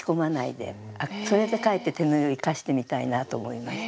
あそれでかえって手縫いを生かしてみたいなと思いました。